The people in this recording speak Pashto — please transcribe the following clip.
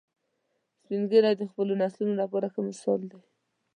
سپین ږیری د خپلو نسلونو لپاره ښه مثال دي